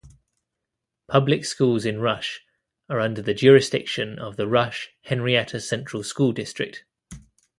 Public schools in Rush are under the jurisdiction of the Rush-Henrietta Central School District.